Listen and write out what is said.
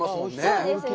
そうですね。